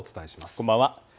こんばんは。